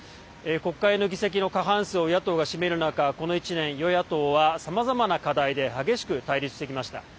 国会の議席の過半数を野党が占める中この１年、与野党はさまざまな課題で激しく対立してきました。